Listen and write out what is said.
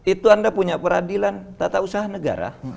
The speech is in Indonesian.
itu anda punya peradilan tata usaha negara